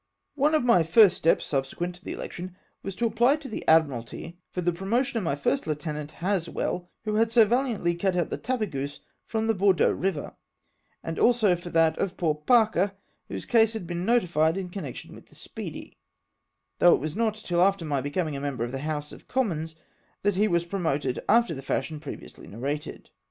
One of my first steps, subsequent to the election, was to apply to the Admu altyfor the promotion of my first lieutenant, Haswell, Avho had so gallantly cut out the Tapcvjeuse from the Bordeaux river ; and also for that of poor Parker, whose case has been notified in con nection with the Speedy^ though it was not till after my becoming a member of the House of Commons that he was promoted after the fashion previously narrated.